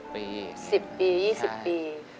๑๐ปี๒๐ปี